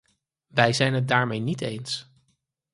Wij zijn het daarmee niet eens.